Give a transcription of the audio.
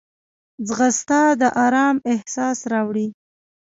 ځغاسته د آرام احساس راوړي